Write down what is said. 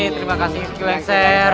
terima kasih ku atas